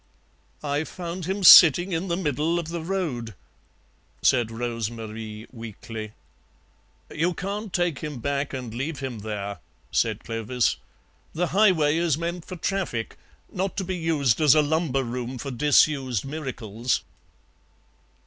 "I found him sitting in the middle of the road," said Rose Marie weakly. "You can't take him back and leave him there," said Clovis; "the highway is meant for traffic, not to be used as a lumber room for disused miracles."